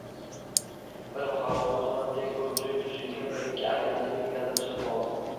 Bir mahal hovli tomonda gurji kuchugim bir-ikki akilladi-yu, negadir jimib qoldi.